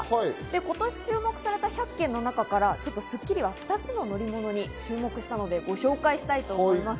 今年注目された１００件の中から『スッキリ』は２つの乗り物に注目したのでご紹介したいと思います。